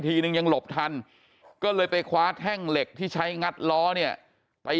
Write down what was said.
ทีนึงยังหลบทันก็เลยไปคว้าแท่งเหล็กที่ใช้งัดล้อเนี่ยไป